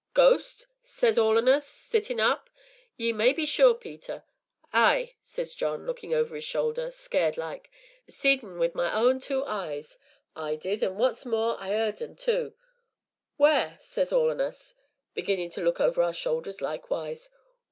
'Ghost!' says all on us, sittin' up, ye may be sure, Peter. 'Ay,' says John, lookin' over 'is shoulder, scared like, 'seed un wi' my two eyes, I did, an' what's more, I heerd un tu!' 'Wheer?' says all on us, beginnin' to look over our shoulders likewise.